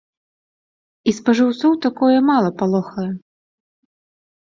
І спажыўцоў такое мала палохае.